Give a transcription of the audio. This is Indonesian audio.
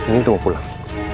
ndina udah mau pulang